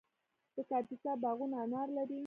د کاپیسا باغونه انار لري.